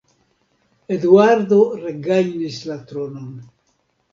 Eduardo regajnis la tronon.